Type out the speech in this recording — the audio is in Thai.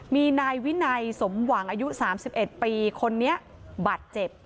มีนายวินัยสมหวังอายุ๓๑ปีคนนี้บาดเจ็บ